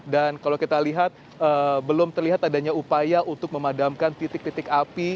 dan kalau kita lihat belum terlihat adanya upaya untuk memadamkan titik titik api